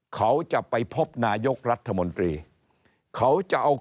เขาจะไปพบนายกรัฐมนตรีเขาจะเอาข้อมูลทางวิชาการ